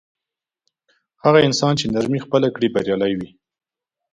هغه انسان نرمي خپله کړي بریالی وي.